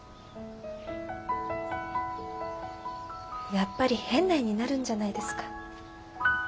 やっぱり変な絵になるんじゃないですか？